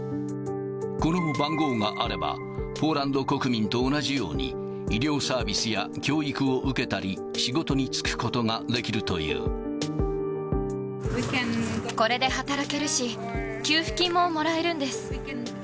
この番号があれば、ポーランド国民と同じように、医療サービスや教育を受けたり、これで働けるし、給付金ももらえるんです。